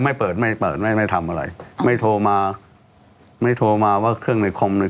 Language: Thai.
ไม่เปิดไม่เปิดไม่ไม่ทำอะไรไม่โทรมาไม่โทรมาว่าเครื่องในคอมเลย